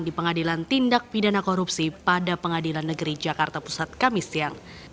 di pengadilan tindak pidana korupsi pada pengadilan negeri jakarta pusat kamis siang